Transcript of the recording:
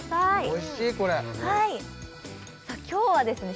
おいしいこれ今日はですね